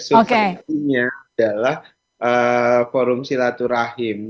substansinya adalah forum silaturahim